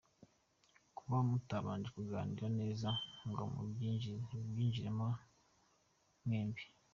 Kuba mutabanje kuganira neza ngo mubyinjire mo mwembi;.